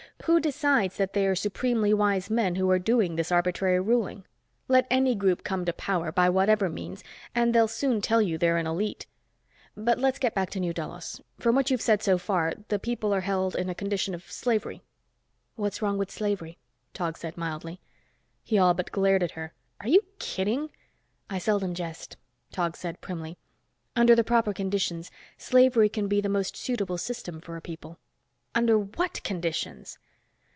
"Who decides that they're supremely wise men who are doing this arbitrary ruling? Let any group come to power, by whatever means, and they'll soon tell you they're an elite. But let's get back to New Delos, from what you've said so far, the people are held in a condition of slavery." "What's wrong with slavery?" Tog said mildly. He all but glared at her. "Are you kidding?" "I seldom jest," Tog said primly. "Under the proper conditions, slavery can be the most suitable system for a people." "Under what conditions!"